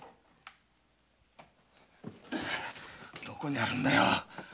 どこにあるんだよ？